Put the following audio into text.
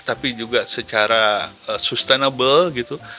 tapi juga secara sustainable gitu